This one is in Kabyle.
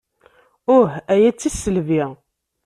Uh, aya d tisselbi.